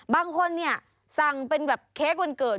บางคนเนี่ยสั่งเป็นแบบเค้กวันเกิด